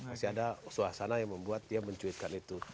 masih ada suasana yang membuat dia mencuitkan itu